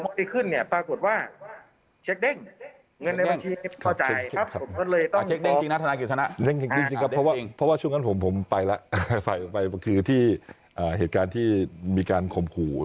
ก็คือที่อ่าเหตุการณ์ที่มีการขอบคู่